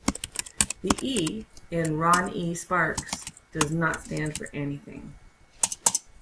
The "E" in "Ron E Sparks" does not stand for anything.